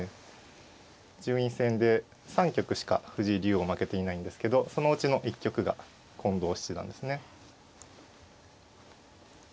順位戦で３局しか藤井竜王負けていないんですけどそのうちの１局が近藤七段ですね。